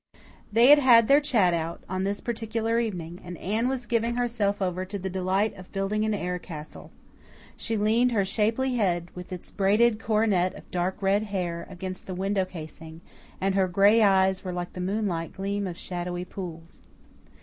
They had had their chat out, on this particular evening, and Anne was giving herself over to the delight of building an air castle. She leaned her shapely head, with its braided coronet of dark red hair, against the window casing, and her gray eyes were like the moonlight gleam of shadowy pools.